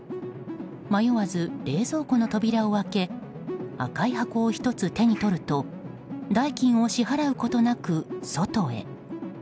迷わず冷蔵庫の扉を開け赤い箱を１つ手に取ると代金を支払うことなく外へ。